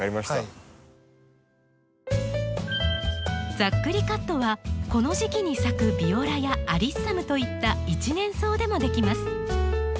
ざっくりカットはこの時期に咲くビオラやアリッサムといった一年草でもできます。